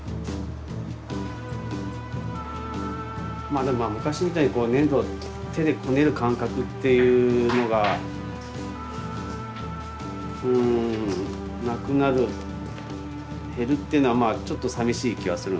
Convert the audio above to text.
まあでも昔みたいに粘土を手でこねる感覚っていうのがうんなくなる減るっていうのはちょっとさみしい気はするんですけど。